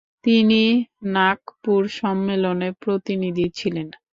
তিনি নাগপুর সম্মেলনে প্রতিনিধি ছিলেন।